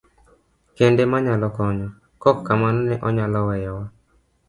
Kende manyalo konyo, kok kamano ne onyalo weyowa.